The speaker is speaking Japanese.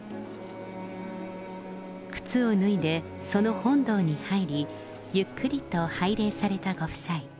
靴を脱いで、その本堂に入り、ゆっくりと拝礼されたご夫妻。